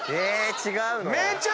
違うの？